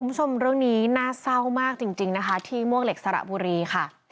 คุณผู้ชมเรื่องนี้น่าเศร้ามากจริงนะคะที่มวกเหล็กสระบุรีค่ะ